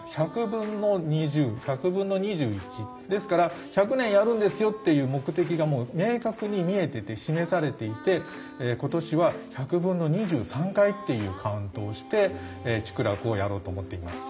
１００分の２０１００分の２１。ですから１００年やるんですよっていう目的が明確に見えてて示されていて今年は１００分の２３回っていうカウントをして竹楽をやろうと思っています。